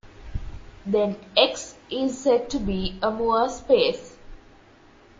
Then "X" is said to be a Moore space.